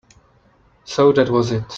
So that was it.